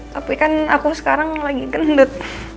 tapi kan aku sekarang lagi gendut